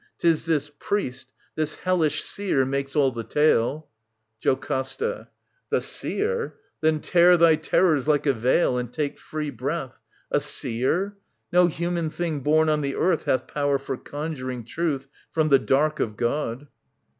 'Tis This priest, this hellish seer, makes all the talc. JoCASTA. The seer ?— Then tear thy terrors like a veil And take free breath. A seer ? No human thing •'Born on the earth hath power for conjuring f Truth from the dark of God.